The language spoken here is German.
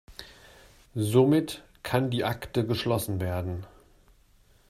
Somit kann die Akte geschlossen werden.